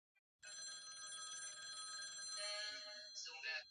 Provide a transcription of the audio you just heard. kupinga hii sheria ambayo ili